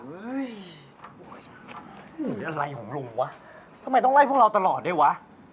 หรืออะไรของลุงวะทำไมต้องไล่พวกเราตลอดด้วยวะ